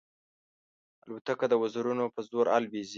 الوتکه د وزرونو په زور الوزي.